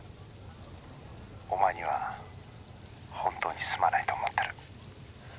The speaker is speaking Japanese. ☎お前には本当にすまないと思ってる。